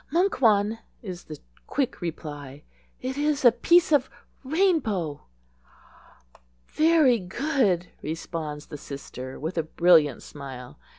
"Muncwan," is the quick reply. "It is a piece of rainbow." "Very good," responds the sister, with a brilliant smile.